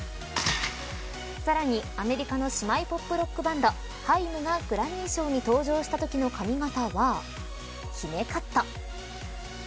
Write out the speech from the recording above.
さらにアメリカの姉妹ポップロックバンドＨａｉｍがグラミー賞に登場したときの髪型は姫カット。